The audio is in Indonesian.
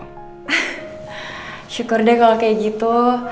hah syukur deh kalo kayak gitu